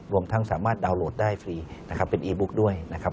รวมทั้งสามารถดาวน์โหลดได้ฟรีนะครับเป็นเอบุ๊กด้วยนะครับ